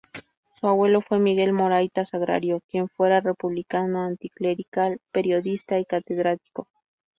Su abuelo fue Miguel Morayta Sagrario, quien fuera republicano, anticlerical, periodista y catedrático.